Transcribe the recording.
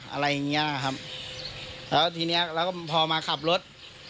อะไรอย่างนี้ครับแล้วทีนี้พอมาขับรถ